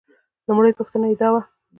لومړۍ پوښتنه یې دا وه.